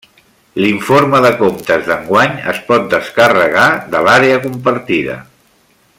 L'informe de comptes d'enguany es pot descarregar de l'àrea compartida.